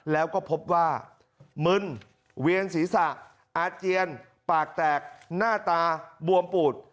แล้วก็พบว่ามึนเวียนศีรษะอาเจียนปากแตกหน้าตาบวมปูด